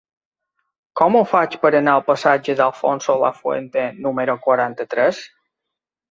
Com ho faig per anar al passatge d'Alfonso Lafuente número quaranta-tres?